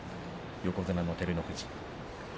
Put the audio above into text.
横綱の照ノ富士。